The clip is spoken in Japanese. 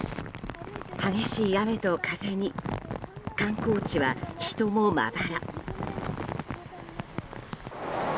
激しい雨と風に観光地は人もまばら。